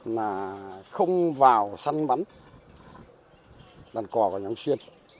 là không vào săn bắn đàn cò vào nhóm xuyên